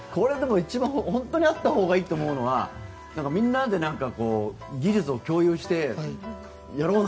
本当にあったほうがいいと思うのはみんなで技術を共有してやろうな！